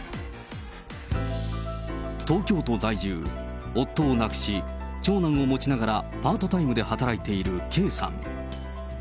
東京都在住、夫を亡くし、長男を持ちながらパートタイムで働いているＫさん。